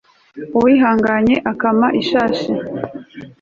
uwihanganye akama ishashi